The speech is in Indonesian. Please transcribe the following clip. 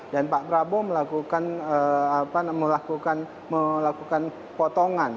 dan pak prabowo melakukan potongan